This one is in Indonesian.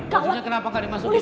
baju nya kenapa nggak dimasukin